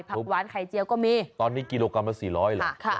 หวานไข่เจียวก็มีตอนนี้กิโลกรัมละ๔๐๐เหรอ